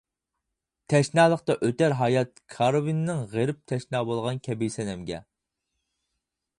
تەشنالىقتا ئۆتەر ھايات كارۋىنىڭ غېرىب تەشنا بولغان كەبى سەنەمگە.